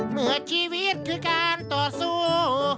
เมื่อชีวิตคือการต่อสู้